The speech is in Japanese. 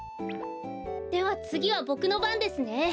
ではつぎはボクのばんですね。